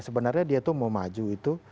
sebenarnya dia tuh mau maju itu